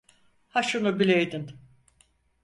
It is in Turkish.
Ha şunu bileydin.